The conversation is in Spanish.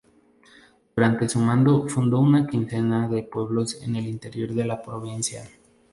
Durante su mandato fundó una quincena de pueblos en el interior de la Provincia.